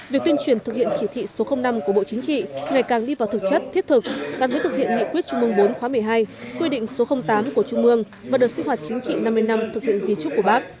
vì tuyên truyền thực hiện chỉ trị số năm của bộ chính trị ngày càng đi vào thực chất thiết thực ban tuyên thực hiện nghị quyết trung ương bốn khóa một mươi hai quy định số tám của trung ương và đợt sức hoạt chính trị năm mươi năm thực hiện di trúc của bác